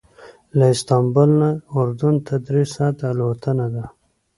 له استانبول نه اردن ته درې ساعته الوتنه ده.